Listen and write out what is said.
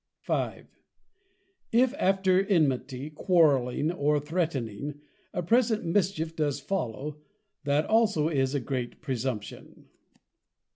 _ V. _If after Enmity, Quarrelling, or Threatning, a present mischief does follow; that also is a great Presumption.